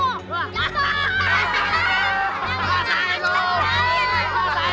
jangan jangan rancang sesuatu lagi